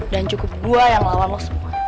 dan cukup gue yang lawan lo semua